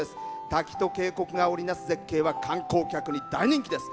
滝と渓谷が織り成す絶景は観光客に大人気です。